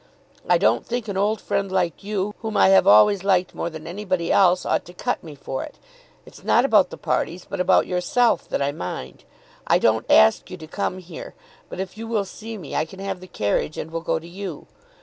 I don't think an old friend like you, whom I have always liked more than anybody else, ought to cut me for it. It's not about the parties, but about yourself that I mind. I don't ask you to come here, but if you will see me I can have the carriage and will go to you.